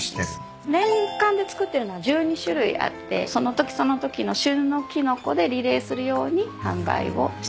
年間で作ってるのは１２種類あってそのときそのときの旬のキノコでリレーするように販売をしてます。